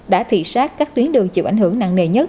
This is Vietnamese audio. đã thị xác các tuyến đường chịu ảnh hưởng nặng nề nhất